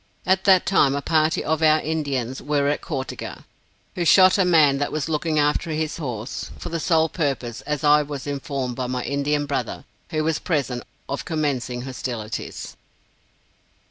At that time, a party of our Indians were at Cau te ga, who shot a man that was looking after his horse, for the sole purpose, as I was informed by my Indian brother, who was present, of commencing hostilities.